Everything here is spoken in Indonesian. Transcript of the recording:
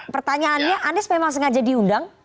pertanyaannya anies memang sengaja diundang